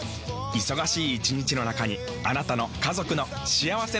忙しい一日の中にあなたの家族の幸せな時間をつくります。